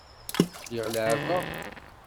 Lliɣ leɛɛbeɣ.